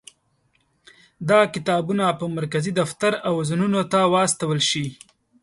دا کتابونه به مرکزي دفتر او زونونو ته واستول شي.